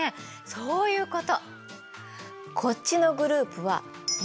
そういうこと！